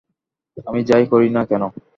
আমি যাই করি না কেন।